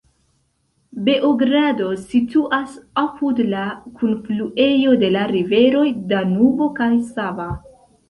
Beogrado situas apud la kunfluejo de la riveroj Danubo kaj Sava.